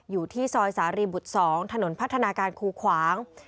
อยู่ที่ซอยสารีบุตร๒ถนนพัฒนาการคูขวาง